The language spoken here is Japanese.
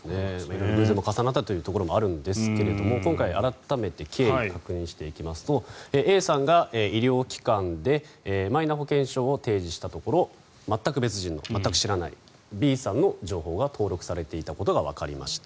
色々偶然が重なったところもあるんですけど今回、改めて経緯を確認していきますとＡさんが医療機関でマイナ保険証を提示したところ全く別人の全く知らないＢさんの情報が登録されていたことがわかりました。